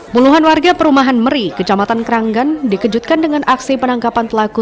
puluhan warga perumahan meri kecamatan keranggan dikejutkan dengan aksi penangkapan pelaku